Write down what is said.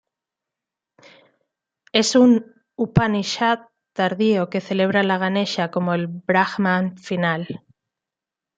Es un "Upanishad" tardío que celebra a Ganesha como el Brahman final.